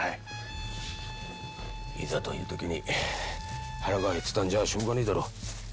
いざという時腹がへってたんじゃしょうがねえだろ。